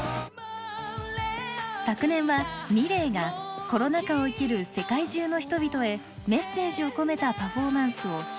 昨年はｍｉｌｅｔがコロナ禍を生きる世界中の人々へメッセージを込めたパフォーマンスを披露しました。